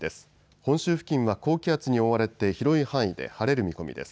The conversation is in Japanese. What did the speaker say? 本州付近は高気圧に覆われて広い範囲で晴れる見込みです。